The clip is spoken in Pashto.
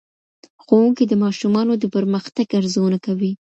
ښوونکی د ماشومانو د پرمختګ ارزونه کوي.